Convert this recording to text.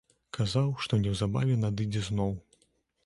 Казаў, што неўзабаве надыдзе зноў.